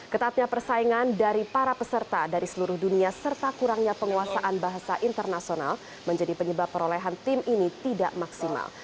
ketatnya persaingan dari para peserta dari seluruh dunia serta kurangnya penguasaan bahasa internasional menjadi penyebab perolehan tim ini tidak maksimal